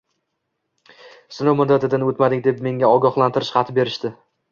sinov muddatidan o‘tmading deb menga ogoxlantirish xati berishdi.